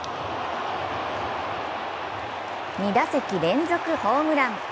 ２打席連続ホームラン！